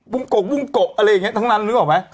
งโกะบุ้งโกะอะไรอย่างนี้ทั้งนั้นนึกออกไหม